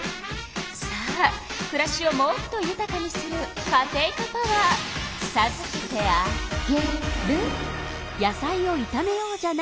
さあくらしをもっとゆたかにするカテイカパワーさずけてあげる。